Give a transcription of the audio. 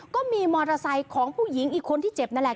ก็มีมอเตอร์ไซค์ของผู้หญิงอีกคนที่เจ็บนั่นแหละ